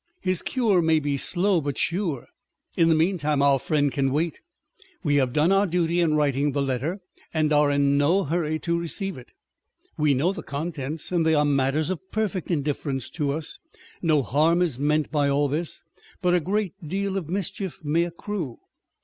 His cure may bo slow but sure. In the meantime our friend can wait. We have done our duty in writing the letter, and are in no hurry to receive it ! We know the contents, and they are matters of perfect indifference to us. No harm is meant by all this, but a great deal of mischief may accrue.